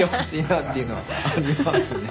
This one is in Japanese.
っていうのはありますね。